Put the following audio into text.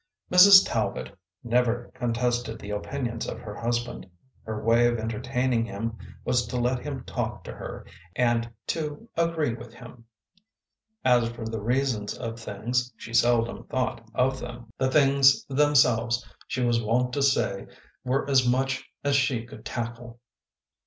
Mrs. Talbot never contested the opinions of her hus band. Her way of entertaining him was to let him talk to her and to agree with him. As for the reasons of things, she seldom thought of them. The things them selves she was wont to say were as much as she could tackle.